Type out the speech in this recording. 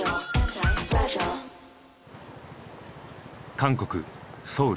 韓国・ソウル。